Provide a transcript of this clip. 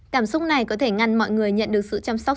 cảm xúc này có thể ngăn mọi người nhận được sự chăm sóc